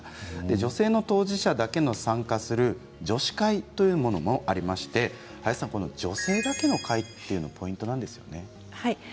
女性の当事者だけが参加する女子会もありまして林さん、女性だけの会というのがポイントなんですね。